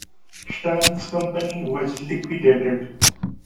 Stearns Company was liquidated.